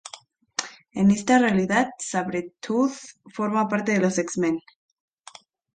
En esta realidad, Sabretooth forma parte de los X-Men.